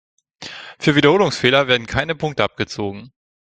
Für Wiederholungsfehler werden keine Punkte abgezogen.